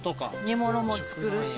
煮物も作るし。